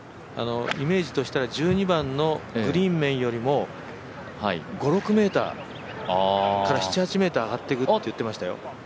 イメージとしては１２番のグリーン面よりも５６ｍから７８ｍ上がっていくと言っていましたよ。